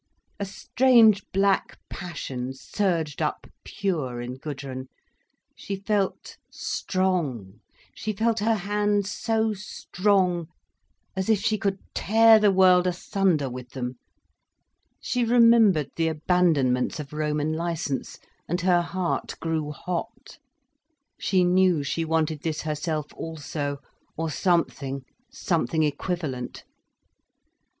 A strange black passion surged up pure in Gudrun. She felt strong. She felt her hands so strong, as if she could tear the world asunder with them. She remembered the abandonments of Roman licence, and her heart grew hot. She knew she wanted this herself also—or something, something equivalent.